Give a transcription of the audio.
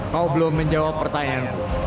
kau belum menjawab pertanyaanku